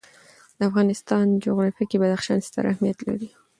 د افغانستان جغرافیه کې بدخشان ستر اهمیت لري.